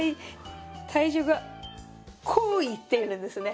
体重がこういってるんですね。